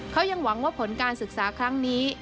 เขายังหวังว่าผลการศึกษาครั้งนี้